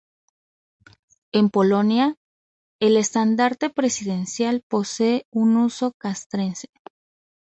En Polonia, el estandarte presidencial posee un uso castrense.